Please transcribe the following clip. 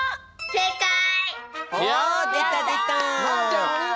せいかい！